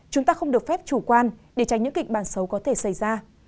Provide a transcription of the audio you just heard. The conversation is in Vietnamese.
chúng ta không được phép chủ quan để tránh những kịch bản xấu có thể xảy ra